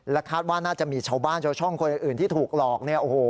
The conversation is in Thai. แล้วคาดว่าน่าจะมีชาวบ้านชาวช่องคนอื่นที่ถูกหลอก